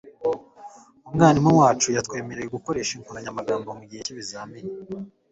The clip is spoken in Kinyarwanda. umwarimu wacu yatwemereye gukoresha inkoranyamagambo mugihe cyizamini